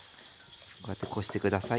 こうやってこして下さい。